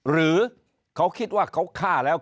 หรือเขาคิดว่าเขาฆ่าแล้ว